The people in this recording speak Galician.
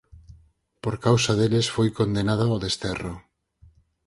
Por causa deles foi condenada ao desterro.